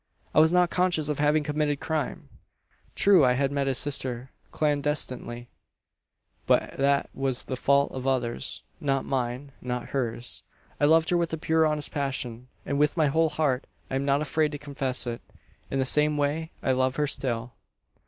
I was not conscious of having committed crime. True I had met his sister clandestinely; but that was the fault of others not mine not hers. I loved her with a pure honest passion, and with my whole heart. I am not afraid to confess it. In the same way I love her still!"